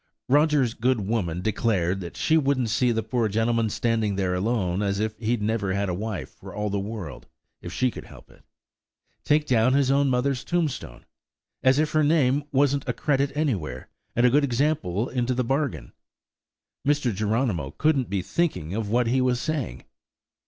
Roger's good woman declared she wouldn't see the poor gentleman standing there alone, as if he'd never had a wife, for all the world, if she could help it.–Take down his own mother's tombstone! as if her name wasn't a credit anywhere, and a good example into the bargain,–Mr. Geronimo couldn't be thinking of what he was saying!